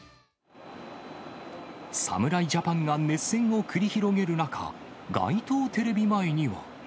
侍ジャパンが熱戦を繰り広げる中、街頭テレビ前には。